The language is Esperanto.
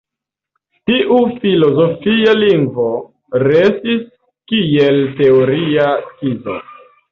Tiu filozofia lingvo restis kiel teoria skizo.